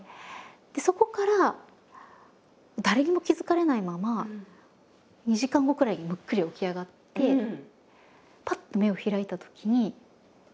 そこから誰にも気付かれないまま２時間後くらいにむっくり起き上がってへえ！